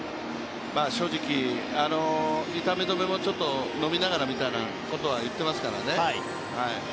正直、痛み止めもちょっと飲みながらみたいなことは言ってますからね